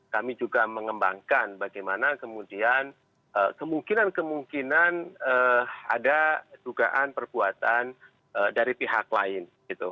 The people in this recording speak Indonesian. kami juga mengembangkan bagaimana kemudian kemungkinan kemungkinan ada dugaan perbuatan dari pihak lain